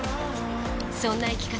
そんな生き方